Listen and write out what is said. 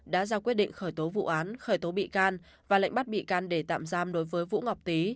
đã ra quyết định khởi tố vụ án khởi tố bị can và lệnh bắt bị can để tạm giam đối với vũ ngọc tý